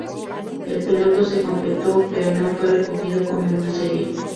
El piloto se completó, pero no fue recogido como una serie.